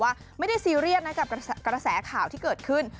ว่าไม่ได้ซีเรียสนะกับกระแสข่าวที่เกิดขึ้น